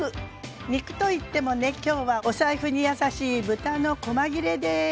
肉といってもね今日はお財布に優しい豚のこま切れです。